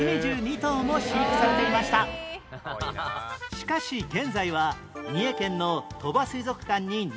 しかし現在は三重県の鳥羽水族館に２頭